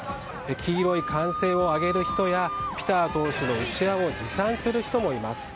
黄色い歓声を上げる人やピター党首のうちわを持参する人もいます。